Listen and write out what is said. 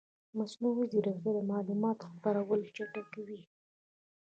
مصنوعي ځیرکتیا د معلوماتو خپرول چټکوي.